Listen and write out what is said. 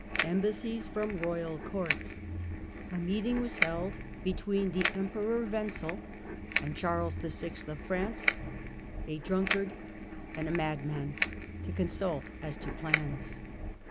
at Rome, 1406 1415 embassies from Koyal Courts, A meeting was held between the Emperor Wenzel and Charles VI. of France, " a drmikard and a madman," to consult as to plans.